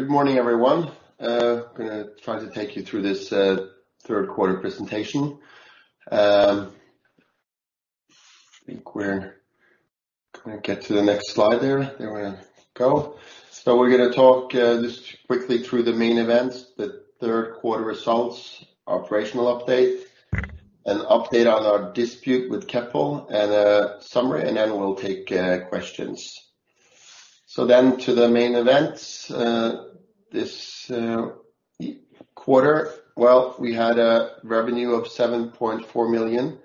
Good morning, everyone. Gonna try to take you through this Third Quarter presentation. Can we get to the next slide there? There we go. We're gonna talk just quickly through the main events, the third quarter results, operational update, an update on our dispute with Keppel, and a summary, and then we'll take questions. To the main events, this quarter, well, we had a revenue of $7.4 million,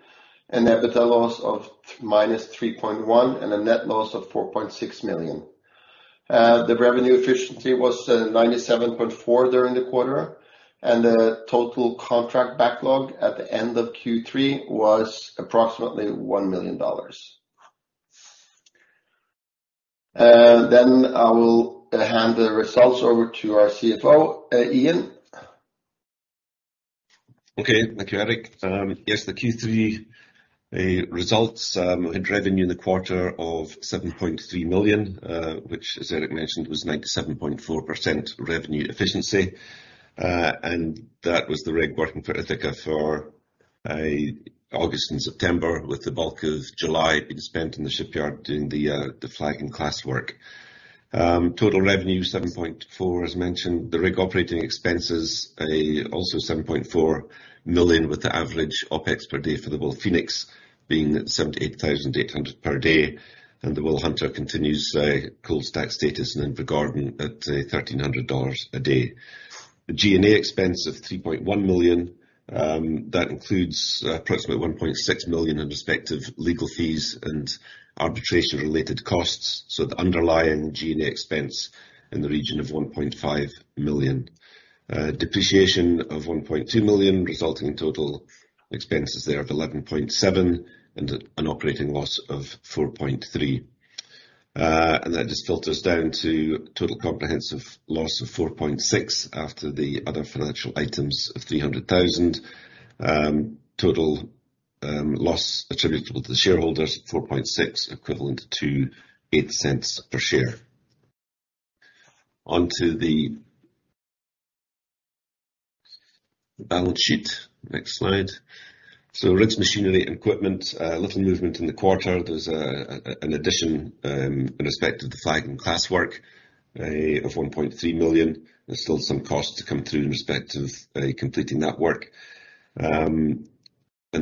an EBITDA loss of -$3.1 million, and a net loss of $4.6 million. The revenue efficiency was 97.4% during the quarter, and the total contract backlog at the end of Q3 was approximately $1 million. I will hand the results over to our CFO, Ian. Okay. Thank you, Eric. Yes, the Q3 results had revenue in the quarter of $7.3 million, which, as Eric mentioned, was 97.4% revenue efficiency. That was the rig working for Ithaca for August and September, with the bulk of July being spent in the shipyard doing the flag and class work. Total revenue $7.4 million, as mentioned. The rig operating expenses also $7.4 million, with the average OpEx per day for the WilPhoenix being at $78,800 per day, and the WilHunter continues cold stack status in Invergordon at $1,300 a day. The G&A expense of $3.1 million that includes approximately $1.6 million in respect of legal fees and arbitration-related costs, so the underlying G&A expense in the region of $1.5 million. Depreciation of $1.2 million, resulting in total expenses there of $11.7 million and an operating loss of $4.3 million. That just filters down to total comprehensive loss of $4.6 million after the other financial items of $300,000. Total loss attributable to the shareholders, $4.6 million, equivalent to $0.08 per share. On to the balance sheet. Next slide. Rigs, machinery, equipment, little movement in the quarter. There's an addition in respect of the flag and class work of $1.3 million. There's still some costs to come through in respect of completing that work.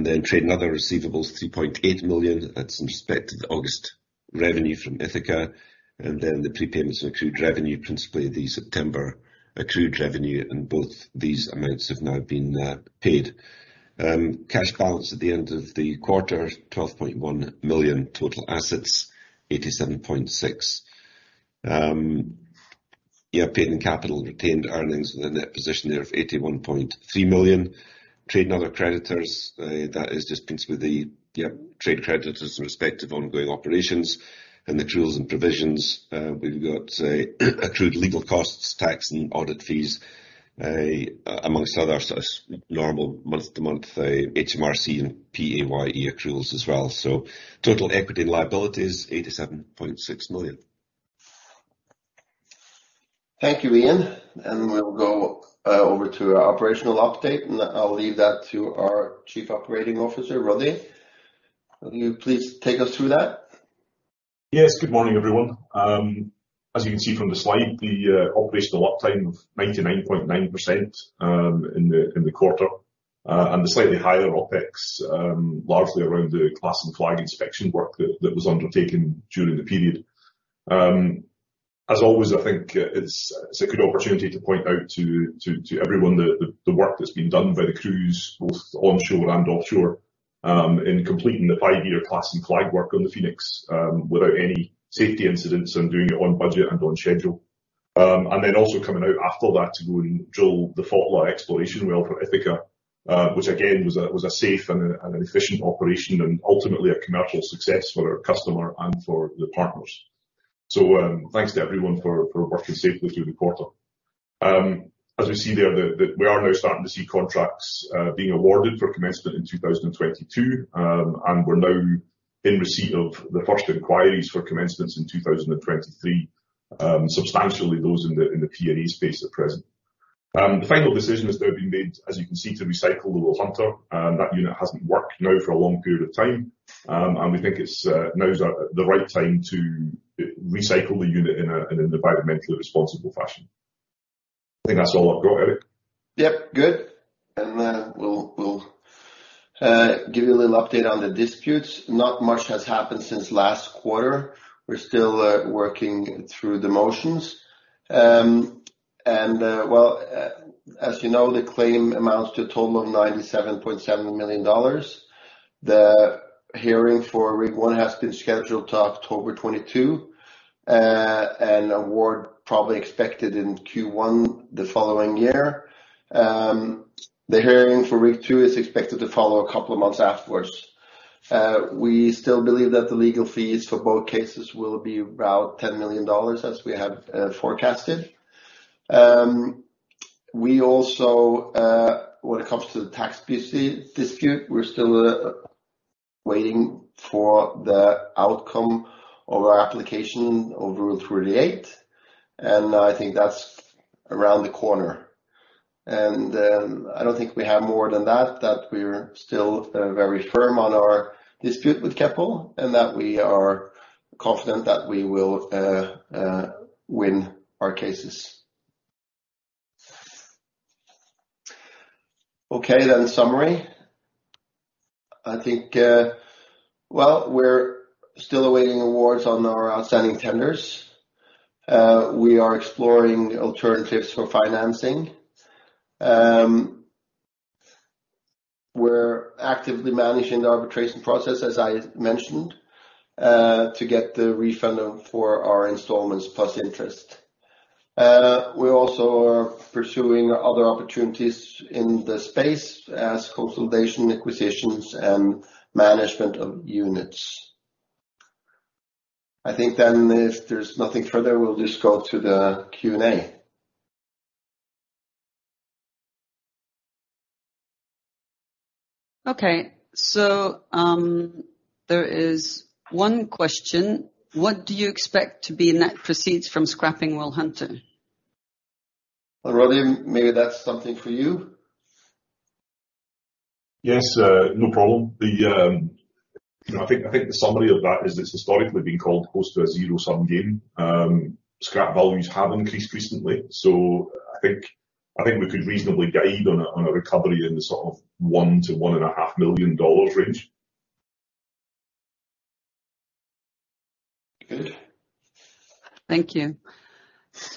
Trade and other receivables, $3.8 million. That's in respect to the August revenue from Ithaca. The prepayments and accrued revenue, principally the September accrued revenue, and both these amounts have now been paid. Cash balance at the end of the quarter, $12.1 million. Total assets, $87.6 million. Paid-in capital and retained earnings with a net position there of $81.3 million. Trade and other creditors, that is just principally the trade creditors in respect of ongoing operations. Accruals and provisions, we've got accrued legal costs, tax, and audit fees, among others as normal month to month, HMRC and PAYE accruals as well. Total equity and liabilities, $87.6 million. Thank you, Ian. We'll go over to our operational update, and I'll leave that to our Chief Operating Officer, Rodney. Will you please take us through that? Yes. Good morning, everyone. As you can see from the slide, the operational uptime of 99.9% in the quarter, and the slightly higher OpEx, largely around the class and flag inspection work that was undertaken during the period. As always, I think it's a good opportunity to point out to everyone the work that's been done by the crews, both onshore and offshore, in completing the five-year class and flag work on the Phoenix, without any safety incidents and doing it on budget and on schedule. Then also coming out after that to go and drill the Fotla exploration well for Ithaca, which again was a safe and an efficient operation and ultimately a commercial success for our customer and for the partners. Thanks to everyone for working safely through the quarter. As we see there, we are now starting to see contracts being awarded for commencement in 2022, and we're now in receipt of the first inquiries for commencements in 2023, substantially those in the P&A space at present. The final decision has now been made, as you can see, to recycle the WilHunter. That unit hasn't worked now for a long period of time, and we think it's now the right time to recycle the unit in an environmentally responsible fashion. I think that's all I've got, Eric. Yep, good. We'll give you a little update on the disputes. Not much has happened since last quarter. We're still working through the motions. As you know, the claim amounts to a total of $97.7 million. The hearing for rig one has been scheduled to October 22. Award probably expected in Q1 the following year. The hearing for rig two is expected to follow a couple of months afterwards. We still believe that the legal fees for both cases will be about $10 million as we have forecasted. We also, when it comes to the tax dispute, we're still waiting for the outcome of our application of Rule 38, and I think that's around the corner. I don't think we have more than that we're still very firm on our dispute with Keppel, and that we are confident that we will win our cases. Okay, in summary, I think. Well, we're still awaiting awards on our outstanding tenders. We are exploring alternatives for financing. We're actively managing the arbitration process, as I mentioned, to get the refund for our installments plus interest. We also are pursuing other opportunities in the space as consolidation, acquisitions, and management of units. I think then if there's nothing further, we'll just go to the Q&A. Okay. There is one question: What do you expect to be net proceeds from scrapping WilHunter? Well, Roddy, maybe that's something for you. Yes, no problem. I think the summary of that is it's historically been called close to a zero-sum game. Scrap values have increased recently, so I think we could reasonably guide on a recovery in the sort of $1 million-$1.5 million range. Good. Thank you.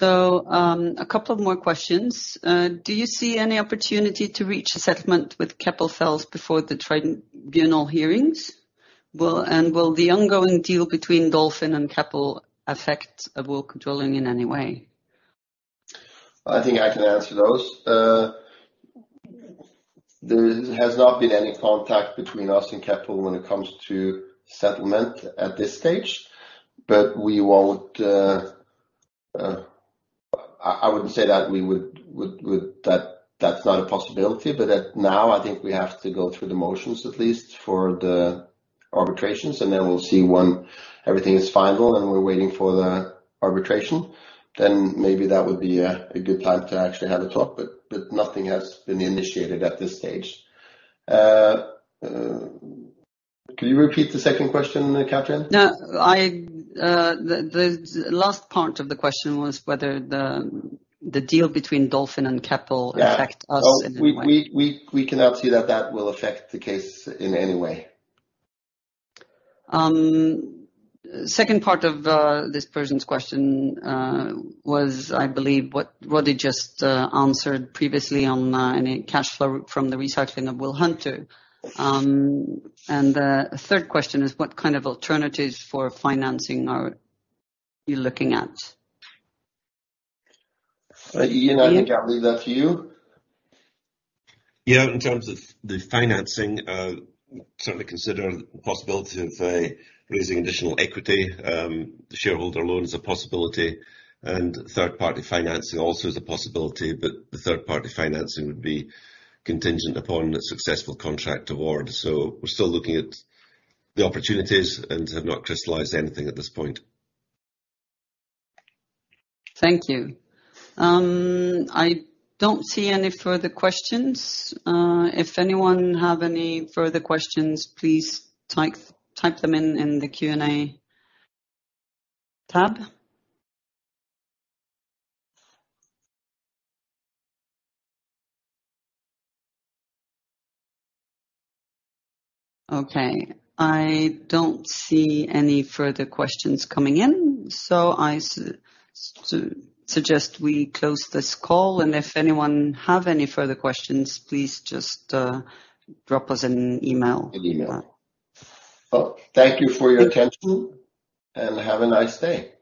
A couple of more questions. Do you see any opportunity to reach a settlement with Keppel FELS before the tribunal hearings? Will the ongoing deal between Dolphin and Keppel affect Awilco Drilling in any way? I think I can answer those. There has not been any contact between us and Keppel when it comes to settlement at this stage. I wouldn't say that we would that that's not a possibility, but now I think we have to go through the motions at least for the arbitrations, and then we'll see when everything is final and we're waiting for the arbitration. Maybe that would be a good time to actually have a talk, but nothing has been initiated at this stage. Can you repeat the second question, Katrin? No, the last part of the question was whether the deal between Dolphin and Keppel- Yeah affect us in any way. We cannot see that will affect the case in any way. Second part of this person's question was I believe what Roddy just answered previously on any cash flow from the recycling of WilHunter. The third question is what kind of alternatives for financing are you looking at? Ian? Ian, I think I'll leave that to you. Yeah. In terms of the financing, certainly consider the possibility of raising additional equity. The shareholder loan is a possibility and third-party financing also is a possibility, but the third-party financing would be contingent upon a successful contract award. We're still looking at the opportunities and have not crystallized anything at this point. Thank you. I don't see any further questions. If anyone have any further questions, please type them in the Q&A tab. Okay. I don't see any further questions coming in, so I suggest we close this call, and if anyone have any further questions, please just drop us an email. An email. Well, thank you for your attention. Thank you. Have a nice day.